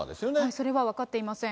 それは分かっていません。